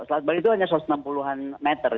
selat bali itu hanya satu ratus enam puluh an meter